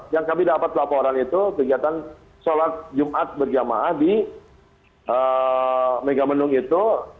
yang kami dapat laporan itu kegiatan sholat jumat berjamaah di megamendung itu